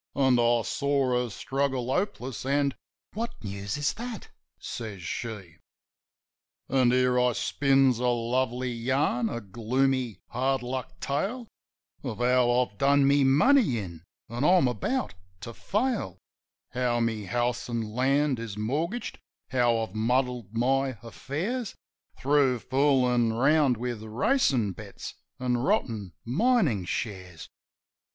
As I saw her struggle hopeless, an' "What news is that?" says she. 68 JIM OF THE HILLS An' here I spins a lovely yarn, a gloomy, hard luck tale Of how I've done my money in, an' I'm about to fail, How my house an' land is mortgaged, how I've muddled my affairs Through foolin' round with racin' bets an' rotten minin' shares.